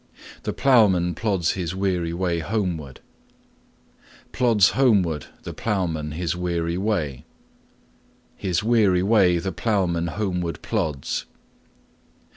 The ploughman plods his weary way homeward. Plods homeward the ploughman his weary way. His weary way the ploughman homeward plods.